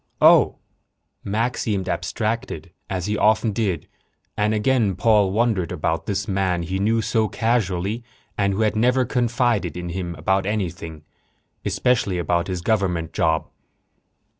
"Oh." Mac seemed abstracted, as he often did, and again Paul wondered about this man he knew so casually and who had never confided in him about anything especially about his government job.